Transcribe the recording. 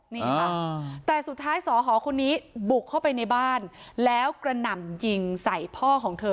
นี่ค่ะแต่สุดท้ายสอหอคนนี้บุกเข้าไปในบ้านแล้วกระหน่ำยิงใส่พ่อของเธอ